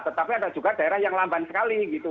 tetapi ada juga daerah yang lamban sekali gitu